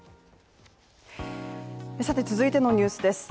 続いてのニュースです。